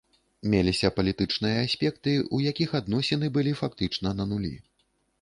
Меліся палітычныя аспекты, у якіх адносіны былі фактычна на нулі.